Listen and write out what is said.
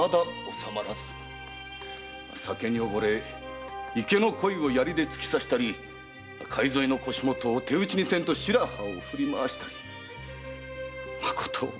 酒に溺れ池の鯉を槍で突き刺したり介添えの腰元を手討ちにせんと白刃を振り回したりまこと嘆かわしく。